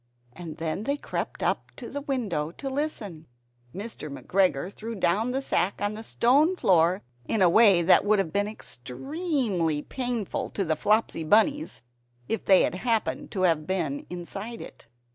And then they crept up to the window to listen. Mr. McGregor threw down the sack on the stone floor in a way that would have been extremely painful to the Flopsy Bunnies, if they had happened to have been inside it.